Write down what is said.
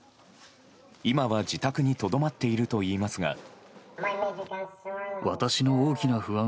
今は、自宅にとどまっているといいますが。